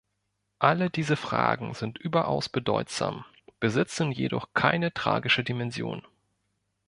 Alle diese Fragen sind überaus bedeutsam, besitzen jedoch keine tragische Dimension.